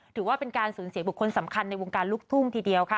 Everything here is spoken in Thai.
ถือว่าเป็นการสูญเสียบุคคลสำคัญในวงการลูกทุ่งทีเดียวค่ะ